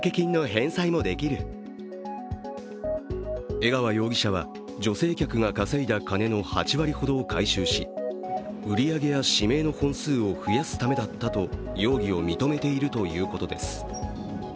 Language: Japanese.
江川容疑者は、女性客が稼いだ金の８割ほどを回収し売り上げや指名の本数を増やすためだったと容疑を認めているということです。